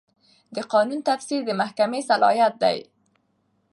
د قانون تفسیر د محکمې صلاحیت دی.